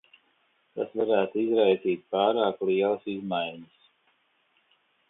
Tas varētu izraisīt pārāk lielas izmaiņas.